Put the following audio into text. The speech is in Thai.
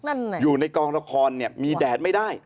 นั่นน่ะอยู่ในกองละครเนี่ยมีแดดไม่ได้